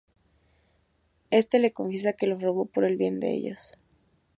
Éste le confiesa que los robó por el bien de ellos.